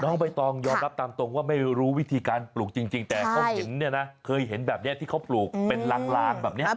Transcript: ใบตองยอมรับตามตรงว่าไม่รู้วิธีการปลูกจริงแต่เขาเห็นเนี่ยนะเคยเห็นแบบนี้ที่เขาปลูกเป็นลางแบบนี้